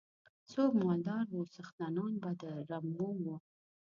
څوک مالدار وو څښتنان به د رمو وو.